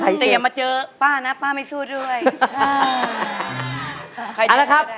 ใครเจอแต่อย่ามาเจอป้านะป้าไม่สู้ด้วยอ่าล่ะครับ